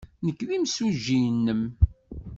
Nekk d imsujji-nnem.